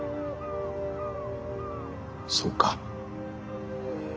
そうか。